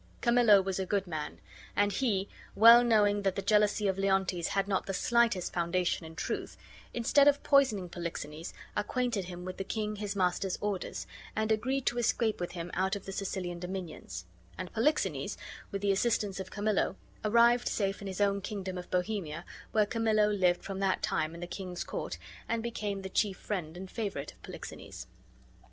Camillo was a good man, and he, well knowing that the jealousy of Leontes had not the slightest foundation in truth, instead of poisoning Polixenes, acquainted him with the king his master's orders, and agreed to escape with him out of the Sicilian dominions; and Polixenes, with the assistance of Camillo, arrived safe in his own kingdom of Bohemia, where Camillo lived from that time in the king's court and became the chief friend and favorite of Polixenes.